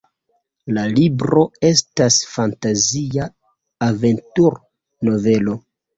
La libro estas fantazia aventur-novelo.